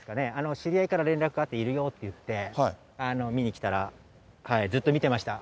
知り合いから連絡があって、いるよって言って、見に来たら、はい、ずっと見てました。